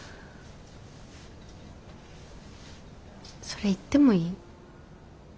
それ行ってもいい？